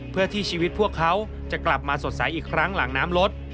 เพื่อที่ชีวิตพวกเขาจะกลับมาสดใสอีกครั้งหลังน้ำลด